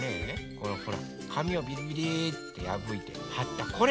このほらかみをびりびりってやぶいてはったこれ。